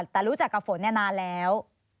แต่รู้จักกับฝนนานแล้ว